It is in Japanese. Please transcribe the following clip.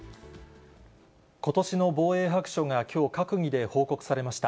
ことしの防衛白書がきょう、閣議で報告されました。